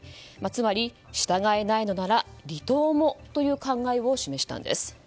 つまり従えないのなら離党もという考えを示したんです。